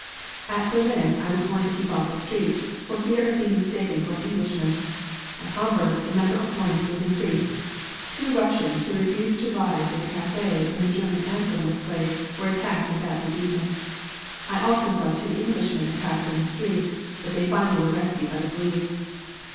"At Berlin I was warned to keep off the streets for fear of being mistaken for an Englishmen. At Hamburg the number of warnings was increased. Two Russians who refused to rise in a cafe when the German anthem was played were attacked and badly beaten. I also saw two Englishmen attacked in the street, but they finally were rescued by the police.